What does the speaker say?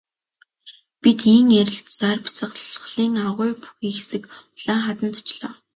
Бид ийн ярилцсаар бясалгалын агуй бүхий хэсэг улаан хаданд очлоо.